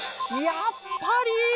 やっぱり！